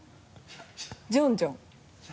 ジョンジョン。